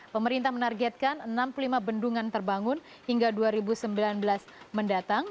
pemerintah menargetkan enam puluh lima bendungan terbangun hingga dua ribu sembilan belas mendatang